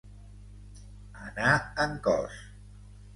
Anar en cos.